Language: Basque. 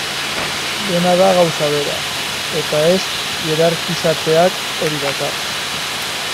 Dena da gauza bera, eta ez hierarkizatzeak hori dakar.